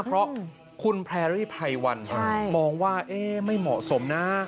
เพราะคุณแพรรี่ไพวันมองว่าไม่เหมาะสมนะ